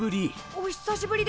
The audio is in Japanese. お久しぶりです。